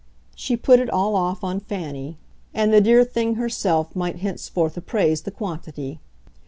She put it all off on Fanny, and the dear thing herself might henceforth appraise the quantity.